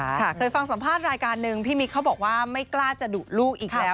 เคยฟังสัมภาษณ์รายการหนึ่งพี่มิ๊กเขาบอกว่าไม่กล้าจะดุลูกอีกแล้ว